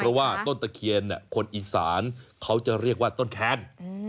เพราะว่าต้นตะเคียนคนอีสานเขาจะเรียกว่าต้นแคน